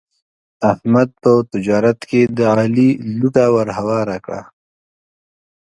احمد په تجارت کې د علي لوټه ور هواره کړله.